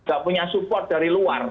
mereka tidak punya support dari luar